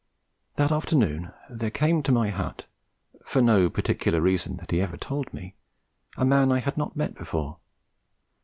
That afternoon there came to my hut, for no particular reason that he ever told me, a man I had not met before.